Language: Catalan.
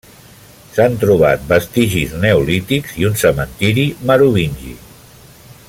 S'han trobat vestigis neolítics i un cementiri merovingi.